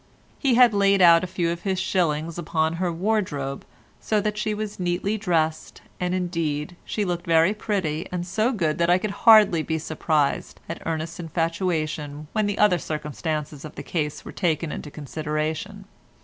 He had laid out a few of his shillings upon her wardrobe, so that she was neatly dressed, and, indeed, she looked very pretty and so good that I could hardly be surprised at Ernest's infatuation when the other circumstances of the case were taken into consideration.